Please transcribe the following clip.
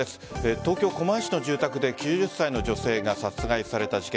東京・狛江市の住宅で９０歳の女性が殺害された事件。